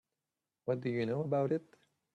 What do you know about it?